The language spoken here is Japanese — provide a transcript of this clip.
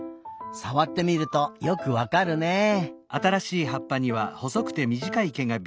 さわってみるとよくわかるねえ。